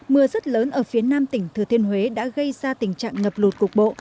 mưa rất lớn ở phía nam tỉnh thừa thiên huế đã gây ra tình trạng ngập lụt cục bộ